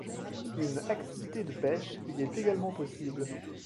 Une activité de pêche y est également possible.